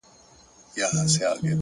د زده کړې عمر محدود نه دی!